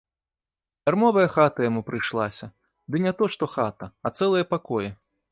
Дармовая хата яму прыйшлася, ды не то што хата, а цэлыя пакоі.